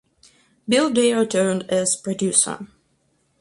Bill Dare returned as producer.